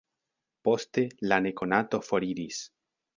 Poste, la nekonato foriris.